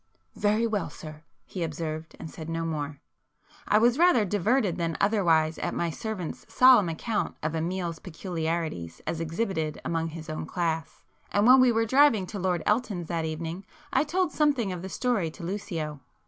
"Very well, sir,"—he observed, and said no more. I was rather diverted than otherwise at my servant's solemn account of Amiel's peculiarities as exhibited among his own class,—and when we were driving to Lord Elton's that evening I told something of the story to Lucio.